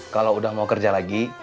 kalau udah mau kerja lagi